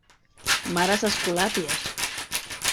Mares Escolàpies.